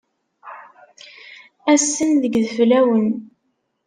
Ass-n deg yideflawen.